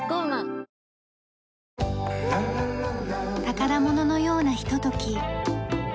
宝物のようなひととき。